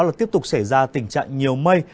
là tiếp tục xảy ra tình trạng nhiều mây